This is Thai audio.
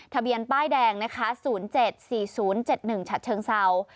ทะเบียนป้ายแดงนะคะ๐๗๔๐๗๑ฉัดเชิงเศร้า